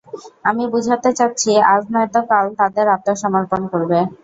আমি বুঝাতে চাচ্ছি, আজ নয়তো কাল তাদের আত্নসমর্পণ করবে।